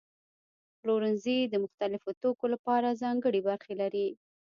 پلورنځي د مختلفو توکو لپاره ځانګړي برخې لري.